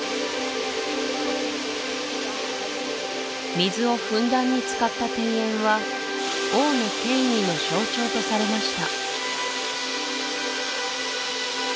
水をふんだんに使った庭園は王の権威の象徴とされました